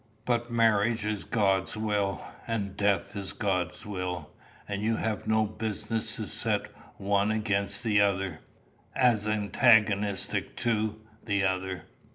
But marriage is God's will, and death is God's will, and you have no business to set the one over against, as antagonistic to, the other.